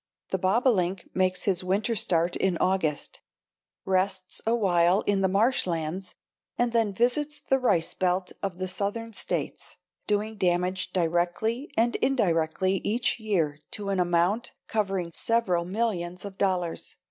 The bobolink makes his winter start in August, rests awhile in the marshlands and then visits the rice belt of the Southern states, doing damage directly and indirectly each year to an amount covering several millions of dollars.